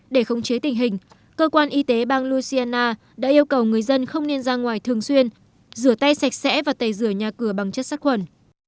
để khống chế tình hình cơ quan y tế bang louciana đã yêu cầu người dân không nên ra ngoài thường xuyên rửa tay sạch sẽ và tẩy rửa nhà cửa bằng chất sát khuẩn